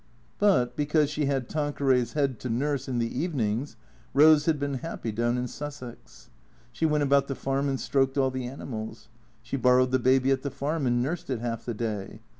But, because she had Tanqueray's head to nurse in the even ings. Rose had been happy down in Sussex. She went about the farm and stroked all the animals. She borrowed the baby at the farm and nursed it half the day.